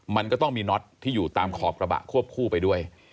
มันก็ต้องมีน็อตที่อยู่ตามขอบกระบะควบคู่ไปด้วย